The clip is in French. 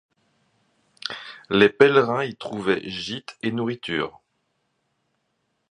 Les pèlerins y trouvaient gîte et nourriture.